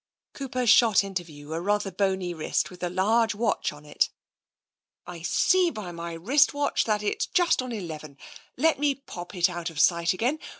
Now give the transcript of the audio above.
Cooper shot into view a rather bony wrist with a large watch on it* " I see by my wrist watch that it's just on eleven. Let me pop it out of sight again.